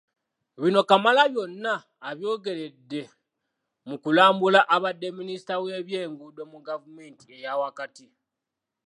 Bino Kamalabyonna abyogeredde mu kulambula abadde Minisita w’ebyenguudo mu gavumenti eyaawakati.